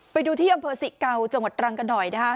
ไปดูที่อำเภอศรีเกาจังหวัดตรังกันหน่อยนะคะ